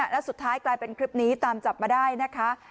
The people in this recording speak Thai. แล้วสุดท้ายกลายเป็นคลิปนี้ตามจับมาได้นะคะ